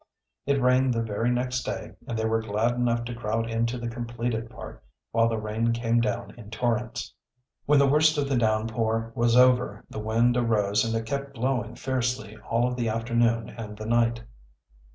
It rained the very next day and they were glad enough to crowd into the completed part, while the rain came down in torrents. When the worst of the downpour was over the wind arose and it kept blowing fiercely all of the afternoon and the night.